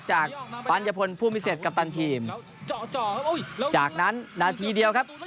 จากปัญญพลผู้พิเศษกัปตันทีมจากนั้นนาทีเดียวครับ